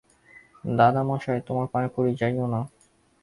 দাদামহাশয়, তোমার পায়ে পড়ি যাইয়ো না।